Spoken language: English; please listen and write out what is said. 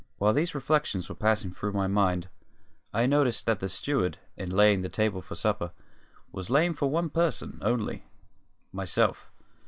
While these reflections were passing through my mind I noticed that the steward, in laying the table for supper, was laying for one person only myself.